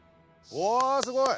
おすごい！